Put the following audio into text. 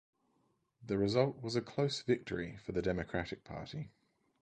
The result was a close victory for the Democratic Party.